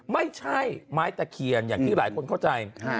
ไม่ใช่ไม้ตะเคียนอย่างที่หลายคนเข้าใจ